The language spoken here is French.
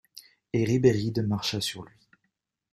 Et Ribéride marcha sur lui.